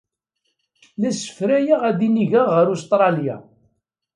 La ssefrayeɣ ad inigeɣ ɣer Ustṛalya.